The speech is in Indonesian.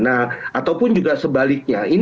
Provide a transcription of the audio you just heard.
ataupun juga sebaliknya